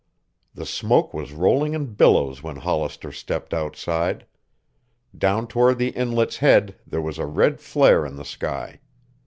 The smoke was rolling in billows when Hollister stepped outside. Down toward the Inlet's head there was a red flare in the sky.